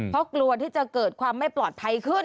เพราะกลัวที่จะเกิดความไม่ปลอดภัยขึ้น